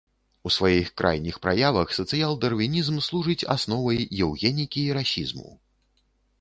У сваіх крайніх праявах сацыял-дарвінізм служыць асновай еўгенікі і расізму.